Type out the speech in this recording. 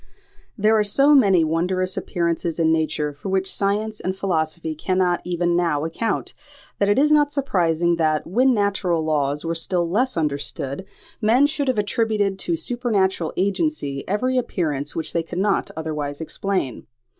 There are so many wondrous appearances in nature for which science and philosophy cannot even now account, that it is not surprising that, when natural laws were still less understood, men should have attributed to supernatural agency every appearance which they could not otherwise explain.